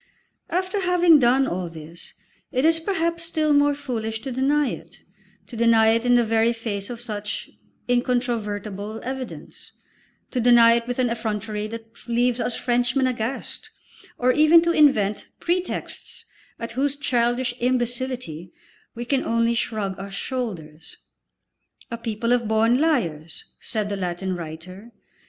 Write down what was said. After having done all this it is perhaps still more foolish to deny it, to deny it in the very face of such incontrovertible evidence, to deny it with an effrontery that leaves us Frenchmen aghast, or even to invent pretexts at whose childish imbecility we can only shrug our shoulders. "A people of born liars," said the Latin writer.